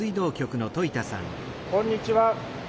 こんにちは。